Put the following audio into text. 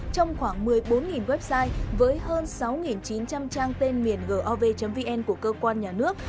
trong khoảng một mươi bốn website với hơn sáu chín trăm linh trang tên miền gov vn của cơ quan nhà nước